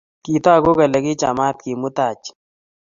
Kitooku kole kichamaat kemut Haji.